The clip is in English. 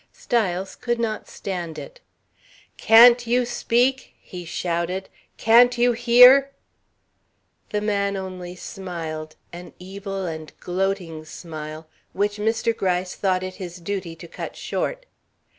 Styles could not stand it. "Can't you speak?" he shouted. "Can't you hear?" The man only smiled, an evil and gloating smile, which Mr. Gryce thought it his duty to cut short.